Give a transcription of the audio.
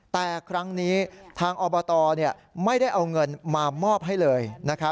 แต่ครั้งนี้ทางอบตไม่ได้เอาเงินมามอบให้เลย